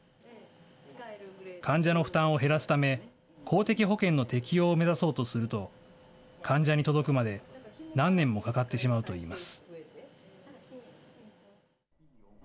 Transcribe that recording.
患者の負担を減らすため、公的保険の適用を目指そうとすると、患者に届くまで何年もかかってしまうといいます。